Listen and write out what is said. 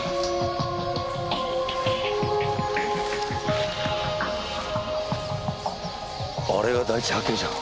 あれが第一発見者か？